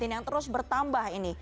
yang terus bertambah ini